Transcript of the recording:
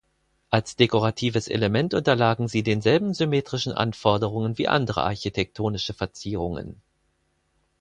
Als dekoratives Element unterlagen sie denselben symmetrischen Anforderungen wie andere architektonische Verzierungen.